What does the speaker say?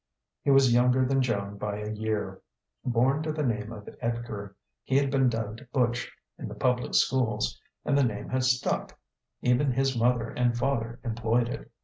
He was younger than Joan by a year. Born to the name of Edgar, he had been dubbed Butch in the public schools, and the name had stuck; even his mother and father employed it.